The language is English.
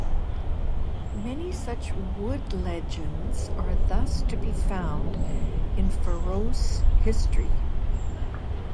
Many such wood legends are thus to be found in Faroese history.